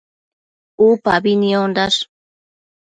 Upabi niondash